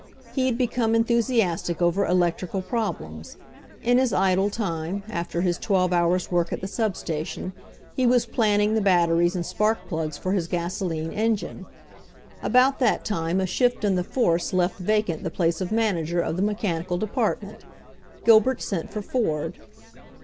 He had become enthusiastic over electrical problems. In his idle time, after his twelve hours' work at the sub station, he was planning the batteries and spark plugs for his gasoline engine. About that time a shift in the forfce left vacant the place of manager of the mechanical depart ment. Gilbert sent for Ford.